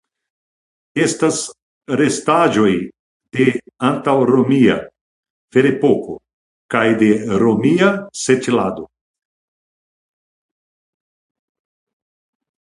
Estas restaĵoj de antaŭromia (ferepoko) kaj de romia setlado.